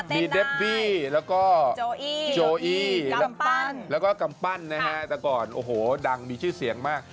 มีเดบบี้แล้วก็โจอี้กำปั้นแล้วก็กำปั้นนะฮะแต่ก่อนโอ้โหดังมีชื่อเสียงมาก